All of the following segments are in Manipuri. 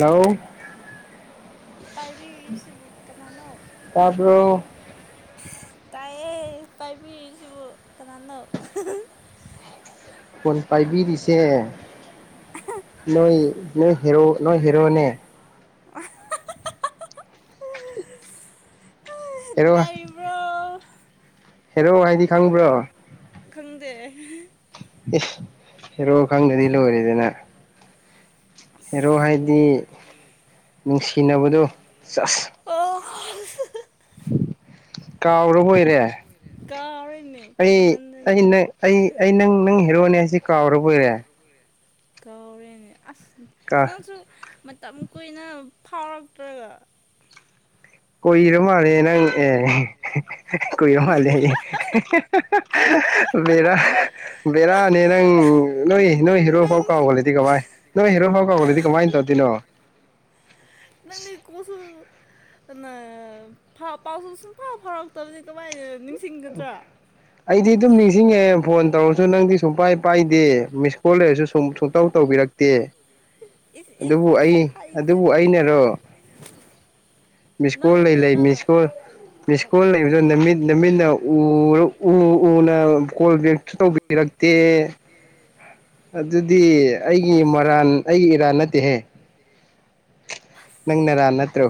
ꯂꯧ ꯄꯥꯏꯕꯤꯔꯤꯁꯤꯕꯨ ꯀꯅꯥꯅꯣ ꯇꯥꯕ꯭ꯔꯣ ꯇꯥꯏꯑꯌꯦ ꯇꯥꯏꯕꯤꯤꯁꯤꯕꯨ ꯇꯃꯅꯣ ꯐꯣꯟ ꯄꯥꯏꯕꯤꯔꯤꯁꯦ ꯅꯣꯏ ꯅꯣꯏ ꯍꯦꯣ ꯅꯣꯏ ꯍꯦꯔꯣꯅꯦ ꯋꯥ ꯑꯦꯔꯣ ꯌꯥ ꯍꯦꯔꯣ ꯍꯥꯏꯗꯤ ꯈꯪꯕ꯭ꯔꯣ ꯈꯪꯗꯦ ꯍꯦꯔꯣ ꯈꯪꯗꯗꯤ ꯂꯣꯏꯔꯤꯗꯅ ꯍꯔꯣ ꯑꯁ ꯍꯥꯏꯗꯤ ꯑꯩ ꯅꯨꯡꯁꯤꯅꯕꯗꯣ ꯆꯁ ꯑꯣ ꯀꯥꯎꯔꯣ ꯍꯣꯏꯔꯦ ꯀꯥꯎꯔꯦꯅꯦ ꯀꯨꯏꯃꯟꯗꯅ ꯑꯩꯪ ꯑꯩ ꯅꯪ ꯅꯪ ꯍꯦꯔꯣꯅꯦ ꯍꯥꯏꯁꯦ ꯀꯥꯎꯔꯕꯔꯕ ꯑꯣꯏꯔꯦ ꯀꯧꯔꯦꯅꯦ ꯑꯁ ꯀꯥ ꯅꯪꯁꯨ ꯃꯇꯝ ꯀꯨꯏꯅ ꯐꯥꯎꯔꯛꯇ꯭ꯔꯒ ꯀꯣꯏꯔ ꯃꯥꯜꯂꯦ ꯅꯪ ꯑꯦ ꯀꯏ ꯃꯥꯂꯦ ꯃꯦꯗꯥ ꯕꯦꯔꯥꯅꯦ ꯅꯪ ꯅꯣꯏ ꯅꯣꯏ ꯍꯤꯔꯣ ꯐꯥꯎ ꯅꯪꯁꯨ ꯀꯥꯎꯒꯣꯂꯗꯤ ꯀꯚꯏ ꯅꯣꯏ ꯍꯔꯣ ꯍꯣꯒꯂꯣꯗꯤ ꯀꯃꯥꯏ ꯇꯧꯗꯤꯅꯣ ꯐ ꯐ ꯆꯤꯡꯒꯗ꯭ꯔꯥ ꯑꯩꯗꯤ ꯑꯗꯨꯝ ꯅꯤꯡꯁꯤꯡꯉꯦ ꯐꯣꯟ ꯇꯧꯔꯁꯨ ꯅꯪꯗꯤ ꯁꯨꯡ ꯄꯥꯏ ꯄꯥꯏꯗꯦ ꯃꯤꯁ ꯀꯣꯜ ꯂꯩꯔꯁꯨ ꯁꯨꯝ ꯇꯧ ꯇꯧꯕꯤꯔꯛꯇꯦ ꯏꯁ ꯏꯁ ꯑꯗꯨꯕꯨ ꯏꯁ ꯑꯩ ꯑꯗꯨꯕꯨ ꯍꯥꯏꯖꯤꯜꯂꯦ ꯑꯩꯅꯔꯣ ꯃꯤꯁꯀꯣꯜ ꯂꯩ ꯅꯪꯅꯅꯦ ꯂꯩ ꯅꯪꯅ ꯃꯤꯁꯀꯜ ꯃꯤꯁꯀꯣꯜ ꯂꯩꯕꯗꯣ ꯅꯨꯃꯤꯠ ꯅꯨꯃꯤꯠꯅ ꯎ ꯅ ꯀꯣꯜ ꯕꯦꯛꯁꯨ ꯇꯧꯕꯤꯔꯛꯇꯦ ꯀ ꯑꯗꯨꯗꯤ ꯑꯩꯒꯤ ꯃꯔꯥꯟ ꯑꯩꯒꯤ ꯏꯔꯥꯟ ꯅꯠꯇꯦꯍꯦ ꯆꯗꯦ ꯅꯪꯅꯔꯥ ꯅꯠꯇ꯭ꯔꯣ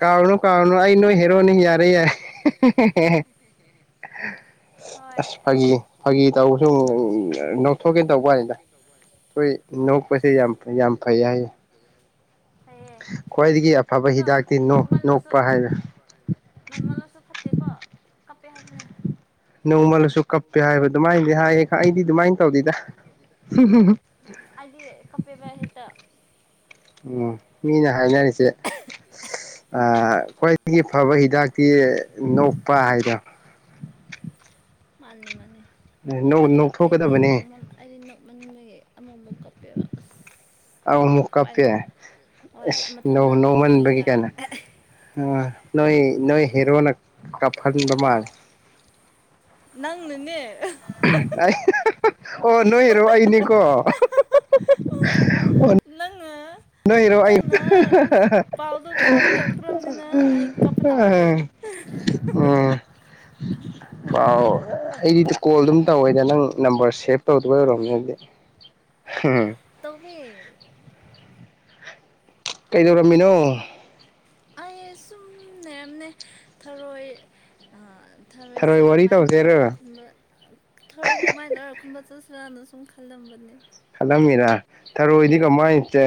ꯀꯅ ꯀꯥꯔꯅ ꯑꯩ ꯅꯣꯏ ꯍꯦꯔꯣꯅꯤ ꯌꯥꯔꯦ ꯌꯥꯔꯦ ꯍꯣꯏ ꯑꯁ ꯐꯥꯒꯤ ꯐꯥꯒꯤ ꯇꯧꯕ ꯁ ꯅ ꯂꯧꯊꯣꯛꯀꯦ ꯇꯧꯕꯅꯤꯗ ꯇ ꯍꯣꯏ ꯑꯅꯣꯛ ꯐꯗꯤ ꯌꯥꯝ ꯐꯩ ꯍꯥꯏꯌꯦ ꯌꯥꯝ ꯐꯩ ꯍꯥꯏ ꯑꯦ ꯈ꯭ꯋꯥꯏꯗꯒꯤ ꯑꯐꯕ ꯑꯗ ꯍꯤꯗꯥꯛꯇꯤ ꯅꯣꯛ ꯃꯥꯜꯂ ꯅꯣꯛꯄ ꯍꯥꯏꯕ ꯅꯣꯡꯃꯜꯂꯁꯨ ꯐꯠꯇꯦꯀꯣ ꯀꯞꯄꯦ ꯍꯥꯏꯕꯅꯦ ꯅꯣꯡꯃꯜꯂꯁꯨ ꯀꯞꯄꯦ ꯍꯥꯏꯕ ꯑꯗꯨꯃꯥꯏꯅꯗꯤ ꯍꯥꯏꯌꯦ ꯑꯩꯗꯤ ꯑꯗꯨꯃꯥꯏꯅ ꯇꯧꯗꯦꯗ ꯍꯥꯏꯗꯤ ꯀꯞꯄꯦꯕ ꯍꯦꯛꯇ ꯎꯝ ꯃꯤꯅ ꯍꯥꯏꯅꯔꯤꯁꯦ ꯑ ꯈ꯭ ꯑꯩꯒꯤ ꯐꯕ ꯍꯤꯗꯥꯛꯇꯤ ꯅꯣꯛꯄ ꯍꯥꯏꯗꯅ ꯃꯥꯅꯤ ꯃꯥꯅꯤ ꯑꯗꯣ ꯑꯩꯗꯤ ꯅꯣꯛꯊꯣꯛꯀꯗꯕꯅꯦ ꯅꯣꯡꯃꯣꯟ ꯑꯩꯗꯤ ꯅꯣꯛꯃꯟꯕꯒꯤ ꯑꯃꯨꯛꯃꯨꯛ ꯀꯛꯄꯦꯕ ꯑꯁ ꯑꯃꯨꯛ ꯀꯥꯞꯄꯦ ꯊꯋꯥꯏꯒꯅꯤ ꯍꯣꯏ ꯃꯊꯟꯗ ꯑꯗꯨꯝ ꯄꯤ ꯅꯧꯃꯟꯕꯒꯤ ꯇꯥꯏ ꯀꯥꯏꯅ ꯑ ꯅꯣꯏ ꯅꯣꯏ ꯍꯦꯔꯣꯅ ꯀꯥꯞꯍꯟꯕ ꯃꯥꯜꯂꯦ ꯅꯪꯅꯅꯦ ꯑꯩ ꯑꯣ ꯅꯣꯏꯔꯣ ꯑꯩꯅꯤꯀꯣ ꯑꯣ ꯅꯪꯉ ꯅꯣꯏꯔꯣꯏ ꯄꯥꯎꯗꯣ ꯐꯥꯎꯕꯤꯔꯛꯇ꯭ꯔꯕꯅꯤꯅ ꯑꯩ ꯀꯞꯄ ꯑꯣ ꯇꯥꯕꯅꯦ ꯑꯥꯎ ꯑꯩꯗꯤ ꯀꯣꯜ ꯑꯗꯨꯝ ꯇꯧꯋꯦꯗ ꯅꯪ ꯅꯝꯕꯔ ꯁꯦꯚ ꯇꯧꯗꯧꯕ ꯑꯣꯏꯔꯣꯝꯅꯦ ꯑꯗꯨꯗꯤ ꯎꯝ ꯇꯃꯦ ꯀꯩꯗꯧꯔꯝꯃꯤꯅꯣ ꯑꯩ ꯁꯨꯝ ꯅꯦꯝꯅꯦ ꯊꯔꯣꯏ ꯊꯔꯣꯏ ꯊꯔꯣꯏꯁꯦ ꯋꯥꯔꯤ ꯀꯃꯥꯏꯅ ꯇꯧꯔ ꯇꯧꯁꯦꯔ ꯈꯨꯟꯕ ꯊꯧꯔꯁꯦ ꯀꯃꯥꯏꯅꯧꯔ ꯈꯟꯕ ꯆꯠꯁꯤꯔꯥꯅ ꯁꯨꯝ ꯈꯜꯂꯝꯕꯅꯦ ꯈꯜꯂꯝꯃꯤꯔ ꯊꯔꯣꯏꯗꯤ ꯍꯣꯏ ꯀꯃꯥꯏꯅꯁꯦ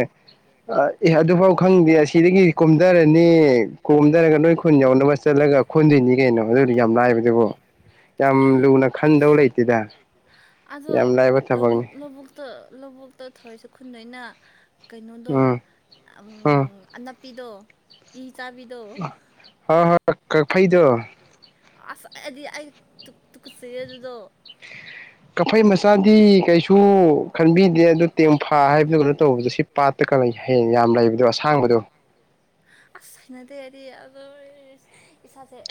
ꯑ ꯑꯦ ꯑꯗꯨꯐꯥꯎ ꯈꯪꯗꯦ ꯑꯁꯤꯗꯒꯤ ꯀꯣꯝꯊꯔꯅꯤ ꯀꯣꯝꯊꯔꯒ ꯅꯣꯏ ꯈꯨꯟ ꯌꯧꯅꯕ ꯆꯠꯂꯒ ꯈꯣꯟꯗꯣꯏꯅꯤ ꯀꯩꯅꯣ ꯑꯗꯨꯗꯤ ꯌꯥꯝ ꯂꯥꯏꯏꯕꯗꯨꯕꯨ ꯑꯗꯣ ꯌꯥꯝ ꯂꯥꯏꯕ ꯊꯕꯛꯅꯤ ꯂꯧꯕꯨꯛ ꯂꯧꯕꯨꯛ ꯂꯧꯕꯨꯛꯇ ꯊꯧꯔꯏꯁꯦ ꯈꯨꯟꯗꯩꯅ ꯀꯩꯅꯣꯗꯣ ꯎꯝ ꯎꯝ ꯑꯅꯄꯤꯗꯣ ꯏ ꯆꯥꯕꯤꯗ ꯍ ꯍ ꯐ ꯑꯁ ꯑꯩꯗꯤ ꯑꯩ ꯇꯨꯀꯠꯆ ꯑꯗꯨꯗꯣ ꯀꯐꯩ ꯃꯆꯥꯗꯤ ꯀꯩꯁꯨ ꯈꯟꯕꯤꯗꯦ ꯑꯗꯨꯗ ꯇꯦꯡꯐꯥ ꯍꯥꯏꯕꯗꯨꯒꯩꯅꯣ ꯇꯧꯕꯗꯣ ꯁꯤ ꯄꯥꯠ ꯍ ꯀ ꯍꯌꯦꯡ ꯌꯥꯝ ꯂꯩꯕꯗꯣ ꯑꯁꯥꯡꯕꯗꯣ ꯑꯁ ꯍꯥꯏꯅꯗꯦꯔꯗꯤ ꯑꯣꯏ ꯏꯁꯥꯁꯦ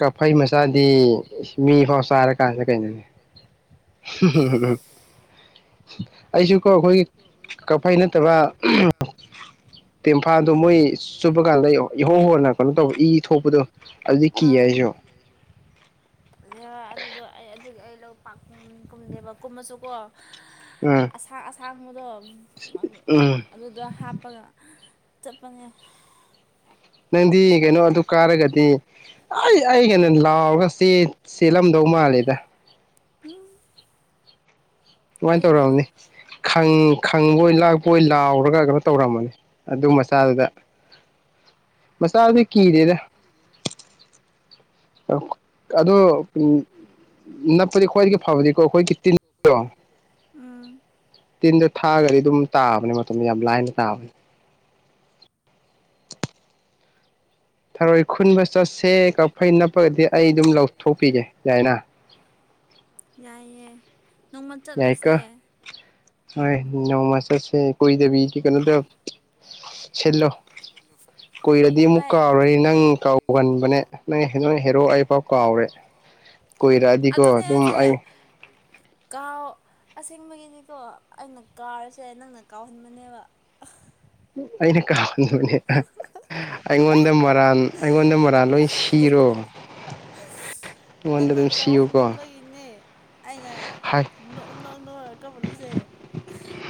ꯀꯐꯩ ꯃꯆꯥꯗꯤ ꯃꯤꯐꯥꯎ ꯆꯥꯔꯀꯥꯟꯗ ꯀꯩꯅꯣꯅꯦ ꯑꯁ ꯀꯥ ꯑꯩꯁꯨꯀꯣ ꯑꯩꯈꯣꯏꯒꯤ ꯀꯛꯐꯩ ꯅꯠꯇꯕ ꯇꯦꯝꯐꯥꯜꯗꯣ ꯃꯣꯏ ꯆꯨꯞꯄ ꯀꯥꯟꯗ ꯏꯍꯧ ꯍꯣꯟꯅ ꯀꯩꯅꯣ ꯇꯧꯕ ꯏ ꯊꯣꯛꯄꯗꯣ ꯑꯗꯨꯗꯤ ꯀꯤꯌꯦ ꯑꯥ ꯑꯩꯁꯨ [inaudible] ꯑꯗꯨꯗꯣ ꯑꯩ ꯑꯗꯨꯗꯤ ꯑꯩ ꯂꯧ ꯄꯥꯛ ꯀꯨꯝꯗꯦꯕ ꯀꯨꯝꯃꯁꯨꯀꯣ [inaudible] ꯎꯝ ꯑꯁꯥꯡ ꯑꯁꯥꯡꯕꯗꯣ ꯎꯝ ꯑꯗꯨꯗ ꯍꯥꯞꯄꯒ ꯆꯠꯄꯅꯦ ꯅꯪꯗꯤ ꯀꯩꯅꯣ ꯑꯗꯨ ꯀꯥꯔꯒꯗꯤ ꯑꯩ ꯑꯩꯅ ꯂꯥꯎꯔꯒ ꯆꯦ ꯆꯦꯜꯂꯝꯗꯧ ꯃꯥꯜꯂꯦꯗ ꯎꯝ ꯑꯗꯨꯃꯥꯏ ꯄꯦꯟꯗꯦꯗ ꯇꯧꯔꯝꯃꯅꯤ ꯈꯪꯕꯣꯏ ꯂꯥꯛꯄꯣꯏ ꯂꯥꯎꯔꯒ ꯀꯩꯅꯣ ꯇꯧꯔꯝꯃꯅꯤ ꯑꯗꯨ ꯃꯆꯥꯗꯨꯗ ꯃꯆꯥꯗꯨꯗꯤ ꯀꯤꯗꯦꯗ ꯑꯗꯣ ꯅꯞꯄꯗꯤ ꯈ꯭ꯋꯥꯏꯗꯒꯤ ꯐꯕꯗꯤꯀꯣ ꯑꯩꯈꯣꯏꯒꯤ ꯇꯤꯟꯗꯣ ꯎꯝ ꯇꯤꯟꯗꯣ ꯊꯥꯛꯑꯒꯗꯤ ꯑꯗꯨꯝ ꯇꯥꯕꯅꯦ ꯃꯇꯣꯝꯗ ꯌꯥꯝ ꯂꯥꯏꯅ ꯇꯥꯕꯅꯦ ꯊꯔꯣꯏ ꯈꯨꯟꯕ ꯆꯠꯁꯦ ꯀꯥꯛꯐꯩ ꯅꯞꯄꯒꯗꯤ ꯑꯩ ꯑꯗꯨꯝ ꯂꯧꯊꯣꯛꯄꯤꯒꯦ ꯌꯥꯏꯅ ꯌꯥꯏꯌꯦ ꯅꯣꯡꯃ ꯆꯠꯂꯨꯁꯦ ꯍꯣꯢ ꯅꯣꯡꯃ ꯆꯠꯁꯦ ꯀꯨꯏꯗꯕꯤ ꯀꯩꯅꯣꯗꯣ ꯁꯤꯜꯂꯣ ꯀꯨꯏꯔꯗꯤ ꯑꯃꯨꯛ ꯍꯣꯏ ꯀꯥꯎꯔꯅꯤ ꯅꯪ ꯀꯥꯎꯒꯟꯕꯅꯦ ꯅꯪ ꯅꯣꯏ ꯍꯦꯔꯣ ꯑꯩ ꯐꯥꯎ ꯀꯥꯎꯔꯦ ꯀꯨꯏꯔꯛꯑꯗꯤꯀꯣ ꯑꯗꯨꯅꯦ ꯑꯗꯨꯝ ꯍꯥꯏꯁꯦ ꯑꯩ ꯀꯥꯎ ꯑꯁꯦꯡꯕꯒꯤꯅꯤꯀꯣ ꯑꯩꯅ ꯀꯥꯎꯔꯤꯁꯦ ꯅꯪꯅ ꯀꯥꯎꯍꯟꯕꯅꯦꯕ ꯑꯩꯅ ꯀꯥꯎꯍꯟꯕꯅꯦꯕ ꯑꯩꯉꯣꯟꯗ ꯃꯔꯥꯟ ꯑꯩꯉꯣꯟꯗ ꯃꯔꯥꯟ ꯂꯣꯏ ꯁꯤꯔꯣ ꯑꯩꯉꯣꯟꯗ ꯑꯗꯨꯝ ꯁꯤꯌꯨꯀꯣ ꯏꯅꯦ ꯑꯩꯅ ꯍꯥꯏ ꯅꯣꯛ ꯅꯧꯔ ꯀꯃꯅꯤꯁꯦ [inaudible]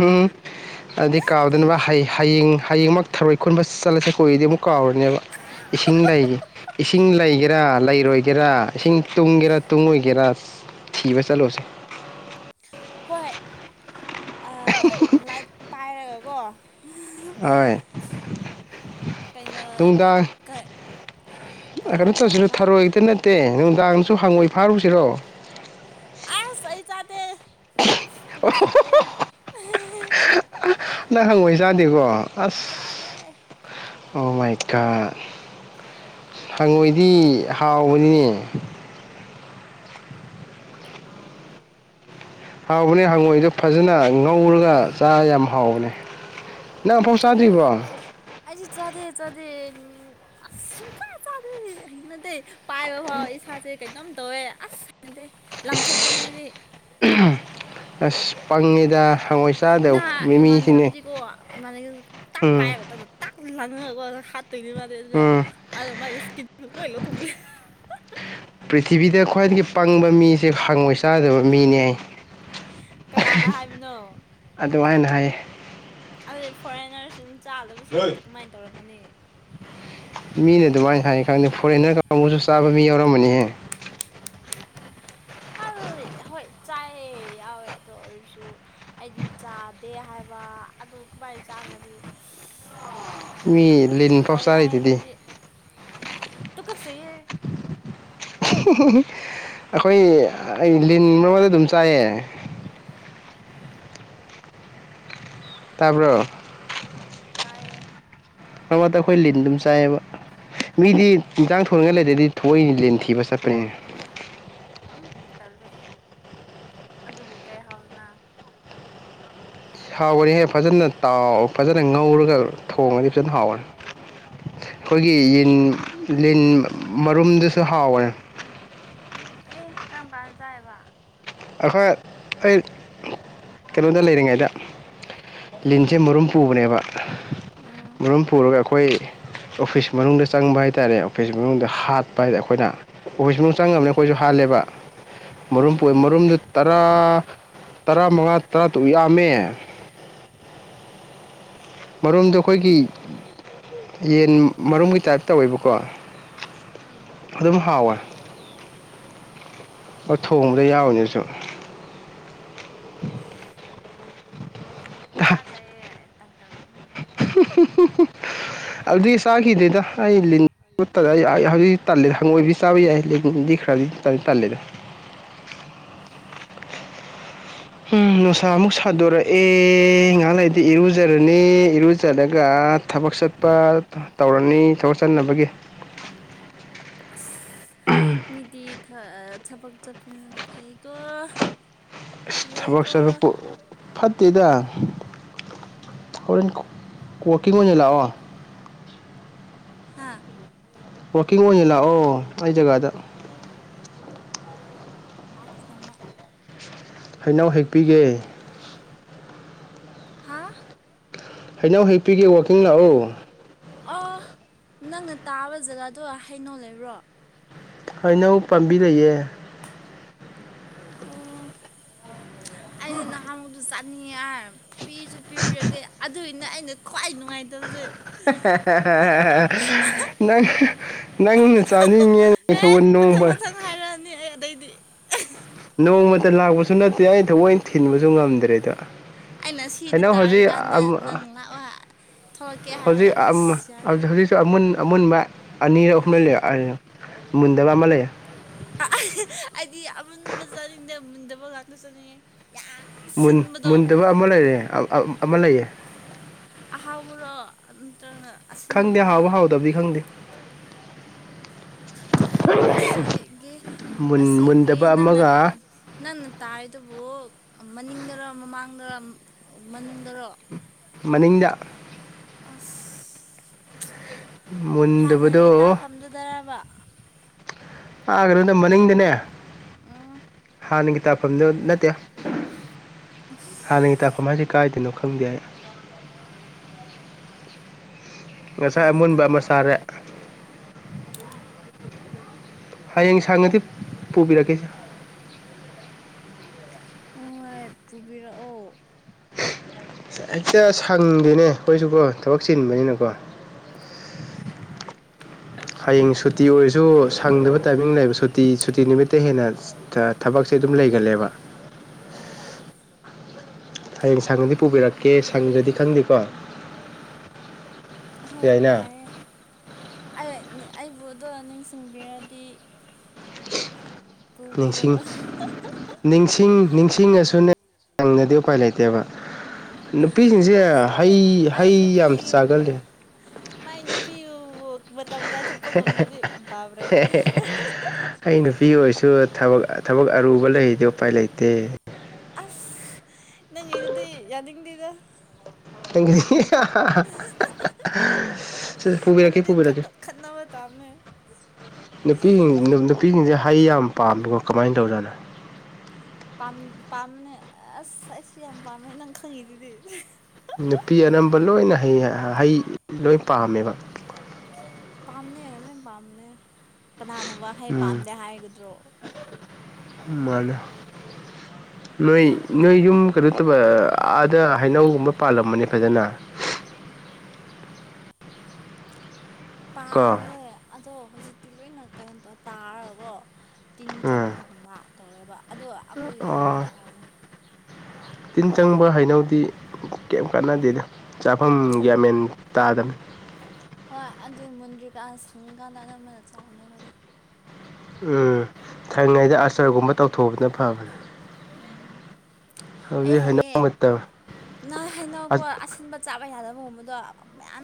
ꯑꯝ [inaudible] ꯑꯗꯨꯗꯤ ꯀꯥꯎꯗꯅꯕ ꯍꯌꯦꯡ ꯍꯌꯦꯡꯃꯛ ꯊꯔꯣꯏ ꯈꯨꯟꯕ ꯆꯠꯂꯁꯦ ꯀꯨꯏꯔꯗꯤ ꯑꯃꯨꯛ ꯀꯥꯎꯔꯅꯦꯕ ꯏꯁꯤꯡ ꯂꯩꯌꯦ ꯏꯁꯤꯡ ꯂꯩꯒꯦꯔꯥ ꯂꯩꯔꯣꯏꯒꯦꯔꯥ ꯏꯁꯤꯡ ꯇꯨꯡꯒꯦꯔꯥ ꯇꯨꯡꯉꯣꯏꯒꯦꯔꯥ ꯊꯤꯕ ꯆꯠꯂꯨꯁꯦ ꯍꯣꯏ ꯂꯥꯏꯠ ꯄꯥꯏꯔꯒꯀꯣ ꯑꯣꯢ ꯀꯩꯅꯣ ꯅꯨꯡꯗꯥꯡ ꯀꯩ ꯀꯩ ꯀꯩꯅꯣ ꯍꯥꯏꯕ ꯇꯧꯁꯤꯔ ꯑꯃ ꯊꯔꯣꯏꯒꯤꯇ ꯅꯠꯇ [inaudible] ꯅꯠꯇꯦ ꯅꯨꯡꯗꯥꯡꯁꯨ ꯍꯪꯉꯣꯏ ꯐꯥꯔꯨꯁꯤꯔꯣ ꯑꯁ ꯑꯩ ꯆꯥꯗꯦ ꯇꯨꯒꯠꯆꯩꯌꯦ ꯅꯪ ꯍꯪꯉꯣꯏ ꯆꯥꯗꯦꯀꯣ ꯑꯁ ꯆꯥꯗꯦ ꯑꯣ ꯃꯥꯏ ꯒꯣꯗ ꯍꯪꯉꯣꯏꯗꯤ ꯍꯥꯎꯕꯅꯤꯅꯦ ꯍꯥꯎꯋꯦ [inaudible] ꯍꯥꯎꯕꯅꯦ ꯍꯪꯉꯣꯏꯗꯣ ꯐꯖꯅ ꯉꯧꯔꯒ ꯆꯥ ꯌꯥꯝ ꯍꯥꯎꯕꯅꯦ ꯅꯪ ꯑꯝ ꯐꯥꯎ ꯆꯥꯗ꯭ꯔꯤꯕ꯭ꯔꯣ ꯑꯩꯗꯤ ꯑꯩꯗꯤ ꯆꯥꯗꯦ ꯆꯥꯗꯦ ꯁꯨꯡꯆꯥ ꯆꯥꯗꯦ ꯍꯩꯅꯗꯦ ꯄꯥꯏꯕ ꯐꯥꯎ ꯏꯁꯥꯁꯦ ꯀꯩꯅꯣꯝ ꯇꯧꯋꯦ ꯑꯁ ꯍꯩꯅꯗꯦ ꯂꯪꯊꯣꯛꯄꯅꯦ ꯑꯩꯗꯤ ꯑꯁ ꯄꯪꯉꯤꯗ ꯅꯥ ꯏꯃꯥꯟꯅꯕꯤꯗꯤꯀꯣ ꯃꯃꯥꯅ ꯇꯥꯛ ꯎꯝ ꯄꯥꯏꯕꯛꯇꯗ [inaudible] ꯇꯥꯛ ꯂꯪꯉꯒꯀꯣ ꯍꯥꯠꯇꯣꯏꯅꯦ ꯃꯥꯗꯤ ꯑꯗꯨꯗ ꯎꯝ ꯑꯗ ꯃꯥꯥꯏꯗꯤ ꯏꯁꯀꯤꯟ ꯂꯣꯏ ꯂꯧꯊꯣꯛꯄꯤ ꯄ꯭ꯔꯤꯊꯤꯕꯤꯗ ꯈ꯭ꯋꯥꯏꯗꯒꯤ ꯄꯪꯕ ꯃꯤꯁꯦ ꯍꯪꯉꯣꯏ ꯆꯥꯗꯕ ꯃꯤꯅꯦ ꯀꯅꯥꯅ ꯍꯥꯏꯕꯅꯣ ꯑꯗꯨ ꯍꯥꯏꯅ ꯍꯥꯏꯌꯦ ꯑꯗꯨꯗꯤ ꯐꯣꯔꯦꯟꯅꯔꯁꯤꯡ ꯆꯥꯗꯕꯁꯤꯡꯗꯨꯗꯤ ꯀꯃꯥꯏ ꯇꯧꯔꯝꯒꯅꯤ ꯃꯤꯅ ꯑꯗꯨꯃꯥꯏ ꯍꯥꯏ ꯈꯪꯗꯦ ꯐꯣꯔꯦꯟꯅꯔ ꯀꯥꯡꯕꯨꯁꯨ ꯆꯥꯕ ꯃꯤ ꯌꯥꯎꯔꯝꯃꯅꯤꯍꯦ ꯍꯣꯏ ꯆꯥꯏꯌꯦ ꯌꯥꯎꯋꯦ ꯑꯗꯨ ꯑꯣꯏꯔꯁꯨ ꯑꯩꯗꯤ ꯆꯥꯗꯦ ꯍꯥꯏꯕ ꯑꯗꯨ ꯀꯃꯥꯏ ꯆꯥꯒꯅꯤ ꯃꯤ ꯍꯩꯅꯗ ꯂꯤꯟ ꯐꯥꯎ ꯍꯥꯎꯏ ꯍꯥꯏꯌꯦ ꯆꯥꯔꯤꯗꯨꯗꯤ ꯃꯣꯏꯗꯤ ꯇꯨꯀꯆꯩꯍꯦ ꯑꯩꯈꯣꯏ ꯑꯩ ꯂꯤꯟ ꯑꯃꯗ [unintelligible] ꯑꯗꯨꯝ ꯆꯥꯏꯌꯦ ꯇꯜꯂꯦ ꯇꯥꯕ꯭ꯔꯣ ꯇꯥꯏꯌꯦ ꯑꯧ ꯑꯩꯈꯣꯏ ꯂꯤꯟ ꯑꯗꯨꯝ ꯆꯥꯏꯌꯦꯕ ꯃꯤꯗꯤ ꯏꯟꯖꯥꯡ ꯊꯣꯡꯅꯤꯡꯉꯥꯏ ꯂꯩꯇ꯭ꯔꯗꯤ ꯊꯣꯛꯑ ꯂꯤꯟ ꯊꯤꯕ ꯆꯠꯄ ꯎꯝ ꯇꯜꯂꯦ ꯑꯗꯨꯕꯨ ꯀꯩ ꯍꯥꯎꯗꯅ ꯍꯥꯎꯋꯦꯍꯦ ꯐꯖꯅ ꯇꯥꯎ ꯐꯖꯅ ꯉꯧꯔꯒ ꯊꯣꯡꯉꯗꯤ ꯐꯖꯅ ꯍꯥꯎꯋꯦ ꯑꯩꯈꯣꯏꯒꯤ ꯂꯤꯟ ꯂꯤꯟ ꯃꯔꯨꯝꯗꯨꯁꯨ ꯍꯥꯎꯔꯦ ꯑꯦ ꯀꯔꯝꯀꯥꯟ ꯆꯥꯏꯕ ꯑꯈꯣꯏ ꯑꯩ ꯀꯩꯅꯣꯗ ꯂꯩꯔꯤꯉꯩꯗ ꯂꯤꯟꯁꯦ ꯃꯔꯨꯝ ꯄꯨꯕꯅꯦꯕ ꯃꯔꯨꯝ ꯄꯨꯔꯒ ꯑꯩꯈꯣꯏ ꯑꯣꯐꯤꯁ ꯃꯅꯨꯡꯗ ꯆꯪꯕ ꯍꯥꯏꯇꯥꯔꯦ ꯑꯣꯐꯤꯁ ꯃꯅꯨꯡꯗ ꯍꯥꯠꯄ ꯑꯩꯈꯣꯏꯅ ꯑꯣꯐꯤꯁ ꯃꯅꯨꯡ ꯆꯪꯉꯕꯅꯤꯅ ꯑꯩꯈꯣꯏꯁꯨ ꯍꯥꯜꯂꯦꯕ ꯋꯥ [unintelligible] ꯃꯔꯨꯝ ꯄꯨꯏꯌꯦ ꯃꯔꯨꯝꯗꯨ ꯇꯔꯥ ꯇꯔꯥ ꯃꯉꯥ ꯇꯔꯥ ꯇꯔꯨꯛ ꯌꯥꯝꯃꯦ ꯃꯔꯨꯝꯗꯨ ꯃꯔꯨꯝꯗꯨ ꯑꯩꯈꯣꯏꯒꯤ ꯌꯦꯟ ꯃꯔꯨꯝꯒꯤ ꯇꯥꯏꯞ ꯇꯧꯋꯦꯕꯀꯣ ꯑꯗꯨꯝ ꯍꯥꯎꯋꯦ ꯍꯥꯎꯋꯦ ꯊꯣꯡꯕꯗ ꯌꯥꯎꯔꯤꯅꯦ ꯑꯩꯁꯨ ꯏ [unintelligible] ꯇꯜꯂꯦ ꯅꯣꯏꯁꯤꯗꯤ ꯄꯪꯆꯥ ꯆꯥꯏꯌꯦ ꯑꯩ ꯇꯟ ꯇꯕ [unintelligible] ꯍꯨꯝꯂ [unintelligible] ꯍꯨꯨꯝ ꯍꯨꯝ ꯎ [unintelligible] ꯑꯗꯨꯗꯒꯤ ꯑꯩ ꯆꯥꯈꯤꯗ꯭ꯔꯦꯗ ꯂꯤꯟ ꯑꯩ ꯂꯤꯟ ꯍꯧꯖꯤꯛ ꯇꯜꯂꯦ ꯑꯩꯪ ꯇꯜꯂꯤ ꯆꯥꯕ ꯍꯪꯉꯣꯏꯗꯤ ꯌꯥꯏ ꯆꯥꯕ ꯂꯤꯟꯗꯤ ꯈꯔꯗꯤ ꯌꯥꯏ ꯆꯟ [unintelligible] ꯇꯜꯂꯦꯗ ꯐꯁꯂꯦ [unintelligible] ꯍꯨꯝ ꯅꯨꯡꯁꯥ ꯑꯃꯨꯛ ꯁꯥꯗꯣꯔꯛꯑꯦ ꯉꯥꯏꯍꯥꯛ ꯂꯩꯗꯤ ꯏꯔꯨꯖꯔꯅꯤ ꯏꯔꯨ ꯆꯠꯂꯒ ꯊꯕꯛ ꯆꯠꯄ ꯇꯧꯔꯅꯤ ꯊꯕꯛ ꯆꯠꯅꯕꯒꯤ ꯑꯁ ꯃꯤꯗꯤ ꯈꯥ ꯑꯥ ꯊꯕꯛ ꯆꯠꯄꯅꯤꯅꯒ ꯐꯩꯀꯣ ꯑꯁ ꯊꯕꯛ ꯀꯜꯂꯛꯑꯦꯀꯣ ꯆꯠꯄꯄꯨ ꯐꯠꯇꯦꯗ ꯄꯨꯗ [unintelligible] ꯑꯩꯈꯣꯔ [unintelligible] ꯋꯥꯛꯀꯤꯡ ꯑꯣꯏꯅ ꯂꯥꯛꯑꯣ ꯍꯥꯥ ꯋꯥꯛꯀꯤꯡ ꯑꯣꯏꯅ ꯂꯥꯛꯑꯣ ꯑꯩ ꯖꯒꯥꯗ ꯂꯥꯛꯀꯦ ꯅꯣꯡꯃ ꯍꯩꯅꯧ ꯍꯦꯛꯄꯤꯒꯦ [unintelligible] ꯍꯥꯥ ꯍꯩꯅꯧ ꯍꯦꯛ [unintelligible] ꯑꫭ ꯅꯪꯅ ꯇꯥꯕ ꯖꯒꯥꯗꯣ ꯍꯩꯅꯧ ꯂꯩꯕ꯭ꯔꯣ ꯍꯩꯅꯧ ꯄꯥꯝꯕꯤ ꯂꯩꯌꯦ ꯑꯣ ꯑꯩꯗꯤ ꯅꯍꯥꯃꯨꯛꯇꯨ ꯆꯥ ꯅꯤꯡꯉꯦ ꯍꯥꯏꯔ ꯄꯤꯁꯨ ꯄꯤꯕꯤꯔꯛꯇꯦ ꯑꯗꯨꯏꯅꯦ ꯑꯩꯅ ꯈ꯭ꯋꯥꯏ ꯅꯨꯡꯉꯥꯏꯇꯕꯁꯦ ꯅꯪ ꯅꯪꯅ ꯆꯥꯅꯤꯡꯉꯦ ꯑꯦ ꯃꯊꯪ ꯃꯊꯪ ꯍꯥꯏꯔꯛꯑꯅꯤ ꯑꯩ ꯑꯗꯩꯗꯤ ꯅꯣꯡꯃꯇ ꯂꯥꯛꯄꯁꯨ ꯅꯠꯇꯦ ꯑꯩ ꯊꯑꯣꯏꯅ ꯊꯤꯟꯕꯁꯨ ꯉꯝꯗ꯭ꯔꯦꯗ [unintelligible] ꯑꯩꯅ ꯁꯤꯗ ꯍꯩꯅꯧ ꯇꯥꯔꯤ ꯀꯥꯟꯗ ꯅꯪ ꯂꯥꯛꯑꯣ ꯍꯥ ꯍꯧꯖꯤꯛ ꯑꯃꯃ ꯍꯧꯖꯤꯛ ꯑꯃꯨꯟ ꯑꯃꯨꯟꯕ ꯑꯅꯤꯔ ꯑꯍꯨꯝꯂ ꯂꯩ ꯂꯩ [unintelligible] ꯃꯨꯟꯗꯕ ꯑꯃ ꯂꯩ ꯑꯩꯗꯤ ꯑꯃꯨꯟꯕ ꯆꯥꯅꯤꯡꯗꯦ ꯃꯨꯟꯗꯕ ꯉꯥꯛꯇ ꯆꯥꯅꯤꯡꯉꯦ ꯌꯥꯝ ꯁꯤꯟꯕꯗꯣ ꯃꯨꯟꯗꯕ ꯑꯃ ꯂꯩꯌ‌ꯦ ꯑ ꯑꯃ ꯂꯩꯌꯦ ꯑꯍꯥꯎꯕꯔꯣ ꯅꯠꯇ꯭ꯔꯒꯅ ꯑꯁꯤꯟꯕꯗꯨꯔꯕ ꯗꯤ ꯈꯪꯗ‌ꯦ ꯑꯁꯤꯒꯤ ꯃꯨꯟ ꯑꯁꯤꯒꯤ ꯃꯨꯟꯗꯕ ꯅꯪꯅ ꯑꯃꯒ [unintelligible] ꯅꯪꯅ ꯇꯥꯏꯗꯨꯕꯨ ꯃꯅꯤꯡꯗꯔ ꯃꯃꯥꯡꯗꯔ ꯃꯅꯨꯡꯗꯔꯣ ꯃꯅꯤꯡꯗ ꯑꯁ ꯃꯨꯟꯗꯕꯗꯣ ꯍꯥꯟꯅꯒꯤ ꯇꯥꯐꯝꯗꯨꯗꯔꯕ ꯃꯅꯤꯡꯗꯩ ꯅꯦ ꯎꯝ ꯍꯥꯟꯅꯒꯤ ꯇꯥꯐꯝꯗꯨ ꯅꯠꯇꯦ ꯑꯁ ꯍꯥꯟꯅꯒꯤ ꯇꯥꯛꯐꯝ ꯍꯥꯏꯁꯤ ꯀꯥꯏꯗꯅꯣ ꯈꯪꯗꯦ ꯑꯩ ꯉꯁꯥꯏ ꯍꯥꯟꯅ ꯑꯃꯨꯟꯕ ꯑꯃ ꯇꯥꯐꯝ ꯆꯥꯔꯦ ꯍꯌꯦꯡ ꯁꯥꯡꯉꯗꯤ ꯄꯨꯕꯤꯔꯛꯀꯦꯁ‌ꯦ [unintelligible] ꯍ‌ꯣꯏ ꯄꯨꯨꯕꯤꯔꯛꯑꯣ ꯍꯦꯛꯇ ꯁꯪꯗꯦꯅꯦ ꯑꯩꯈꯣꯏꯁꯨꯀꯣ ꯊꯕꯛ ꯆꯤꯟꯕꯅꯤꯅꯀꯣ ꯍꯣꯏ ꯍꯌꯦꯡꯁꯨ ꯁꯨꯇꯤ ꯑꯣꯏꯔꯁꯨ ꯁꯪꯗꯕ ꯇꯥꯏꯃꯤꯡ ꯂꯩꯕ ꯁꯨꯇꯤ ꯁꯨꯇꯤ ꯅꯨꯃꯤꯠꯇ ꯍꯦꯟꯅ ꯊꯕꯛꯁꯦ ꯑꯗꯨꯝ ꯂꯩꯒꯜꯂꯦꯕ ꯑꯥ ꯍꯌꯦꯡ ꯁꯪꯉꯗꯤ ꯄꯨꯕꯤꯔꯛꯀꯦ ꯁꯪꯗ꯭ꯔꯗꯤ ꯈꯪꯗꯦꯀꯣ ꯍꯣꯏ ꯌꯥꯏꯅ ꯌꯥꯏꯑꯦ ꯑꯩ ꯑꯩꯕꯨꯗꯣ ꯅꯤꯡꯁꯤꯡꯕꯤꯔꯗꯤ ꯎꯝ ꯅꯤꯡꯁꯤꯡ ꯄꯨꯕꯤꯔꯛꯑꯣ ꯅꯤꯡꯁꯤꯡ ꯅꯤꯡꯁꯤꯡꯉꯁꯨꯅꯦ [unintelligible] ꯗꯤ ꯎꯄꯥꯏ ꯂꯩꯇꯦꯕ ꯅꯨꯄꯤꯁꯤꯡꯁꯦ ꯑꯁ ꯃꯥꯏ ꯍꯩ ꯃꯥꯏ ꯍꯩ ꯌꯥꯝ ꯅꯨꯄꯤꯒꯤꯕꯨ ꯆꯥꯒꯜꯂꯤ ꯃꯥꯏ ꯅꯨꯄꯤꯕꯨ ꯃꯇꯝ ꯀꯥꯏꯊꯣꯛꯄ ꯉꯝꯗ꯭ꯔꯗꯤ ꯕꯥꯕ꯭ꯔꯦ ꯑꯩ ꯅꯨꯄꯤ ꯑꯣꯏꯔꯁꯨ ꯊꯕꯛ ꯊꯕꯛ ꯑꯔꯨꯕ ꯂꯩꯗꯤ ꯎꯄꯥꯏ ꯂꯩꯇꯦ ꯑꯁ ꯅꯪꯒꯤꯗꯨꯗꯤ ꯌꯥꯅꯤꯡꯗꯦꯗ [unintelligible] ꯁ‌ꯦ ꯄꯨꯕꯤꯔꯛꯀ‌ꯦ ꯑꯗꯨꯗꯤ ꯄꯨꯕꯤꯔꯛꯀ‌ꯦ ꯈꯠꯅ ꯈꯠꯅꯕ ꯇꯥꯕꯅꯦ ꯅꯨꯄꯤꯁꯤꯡ ꯅꯨ ꯅꯨꯄꯤꯁꯤꯡꯁꯦ ꯍꯩ ꯌꯥꯝ ꯄꯥꯝꯃ‌ꯦꯀꯣ ꯀꯃꯥꯏꯅ ꯇꯧꯖꯥꯠꯅꯣ ꯄꯥꯝ ꯄꯥꯝꯕꯅ‌ꯦ ꯑꯁ ꯑꯩ ꯁꯨ ꯌꯥꯝ ꯄꯥꯝꯃꯦ ꯅꯪ ꯈꯪꯉꯤꯗꯨꯗꯤ ꯅꯨꯄꯤ ꯑꯅꯝꯕ ꯂꯣꯏꯅ ꯍꯩ ꯍꯩ ꯂꯣꯏ ꯄꯥꯝꯃꯦꯕ ꯄꯝꯅꯦ ꯂ‌ꯣꯏ ꯄꯝꯅꯦ ꯀꯅꯥꯅꯕꯨ ꯋꯥꯍꯩ ꯎꯝ ꯄꯥꯝꯗꯦ ꯍꯥꯏꯒꯗ꯭ꯔꯣ ꯃꯥꯅꯦ ꯅꯣꯏ ꯅꯣꯏ ꯌꯨꯝ ꯀꯩꯅꯣꯇꯧꯕ ꯑꯥꯗ ꯍꯩꯅꯧꯒꯨꯝꯕ ꯄꯥꯜꯂꯝꯕꯅꯦ ꯐꯖꯅ ꯀꯣ ꯄꯥꯜꯂꯦ ꯑꯗꯣ ꯍꯧꯖꯤꯛꯇꯤ ꯂꯣꯏꯅ ꯀꯩꯅꯣ ꯇꯧ ꯇꯥꯔꯒꯀ‌ꯣ ꯇꯤꯟ ꯆꯪꯕꯒꯨꯝꯕ ꯇꯧꯋꯦꯕ ꯑꯗꯣ ꯑꯩꯈꯣꯏꯒꯤꯗꯣ ꯑꯣ ꯍꯥꯎꯗꯤ ꯍꯥꯎꯕꯅꯤ ꯇꯤꯟ ꯆꯪꯕ ꯍꯩꯅꯧꯗꯤ ꯀꯩꯝ ꯀꯥꯟꯅꯗꯦꯗ ꯆꯥꯐꯝ ꯒ꯭ꯌꯥꯟ ꯃꯦꯟ ꯇꯥꯗꯝꯅꯤ ꯍꯣꯏ ꯑꯗꯨ ꯃꯨꯟꯗ꯭ꯔꯤꯀꯥꯟ ꯁꯪꯉꯀꯥꯟꯗ ꯑꯅꯝꯕꯅ ꯆꯥꯕꯅꯦ ꯑꯩꯈꯣꯏꯗꯤ ꯎꯝ ꯁꯪꯉꯤꯉꯩꯗ ꯑꯆꯔꯒꯨꯝꯕ ꯇꯧꯊꯣꯛꯄꯅ ꯐꯕꯅꯤ ꯑꯩ ꯍꯩꯌꯦ ꯅꯪꯏ ꯍꯩꯅꯧꯀꯣ ꯑꯁꯤꯟꯕ ꯆꯥꯕ ꯌꯥꯗꯕꯒꯨꯝꯕꯗꯣ ꯃꯌꯥꯝ